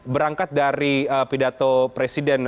berangkat dari pidato presiden